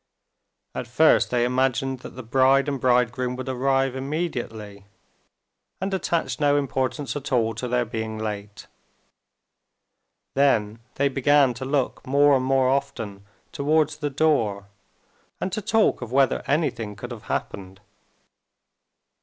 At first they imagined that the bride and bridegroom would arrive immediately, and attached no importance at all to their being late. Then they began to look more and more often towards the door, and to talk of whether anything could have happened.